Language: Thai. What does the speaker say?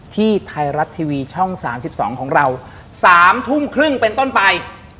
ที่ไทยรัฐทีวีช่อง๓๒ของเรา๓ทุ่มครึ่งเป็นต้นไป